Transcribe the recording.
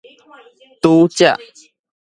拄才